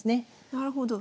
なるほど。